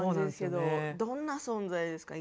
どんな存在ですか？